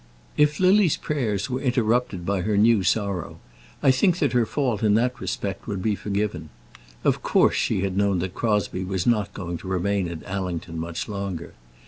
If Lily's prayers were interrupted by her new sorrow, I think that her fault in that respect would be forgiven. Of course she had known that Crosbie was not going to remain at Allington much longer.